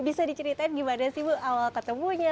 bisa diceritain gimana sih bu awal ketemunya